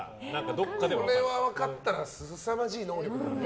それが分かったらすさまじい能力。